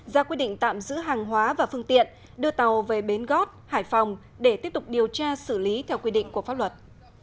ra quyết định tạm giữ hàng hóa và phương tiện đưa tàu về bến gót hải phòng để tiếp tục điều tra xử lý theo quy định của pháp luật